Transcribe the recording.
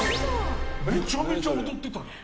めちゃめちゃ踊ってたのよ。